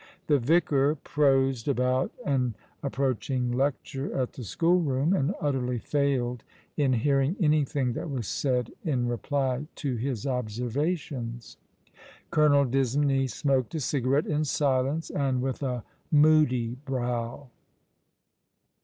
The vicar prosed about an approach ing lecture at the schoolroom, and utterly failed in hearing auything that was said in reply to his observations. Colonel Disney smoked a cigarette in silence, and with a moody brow.